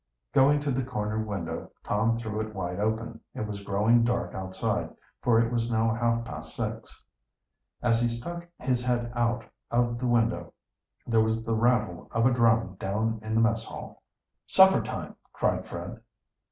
Going to the corner window Tom threw it wide open. It was growing dark outside, for it was now half past six. As he stuck his head out of the window there was the rattle of a drum down in the mess hall. "Supper time!" cried Fred.